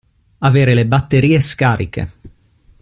Avere le batterie scariche.